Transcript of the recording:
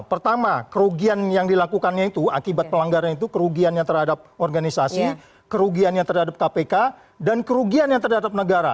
pertama kerugian yang dilakukannya itu akibat pelanggaran itu kerugiannya terhadap organisasi kerugiannya terhadap kpk dan kerugian yang terhadap negara